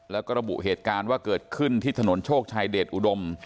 แล้วก็ระบุเหตุการณ์ว่าเกิดขึ้นที่ถนนโชคชัยเดชอุดม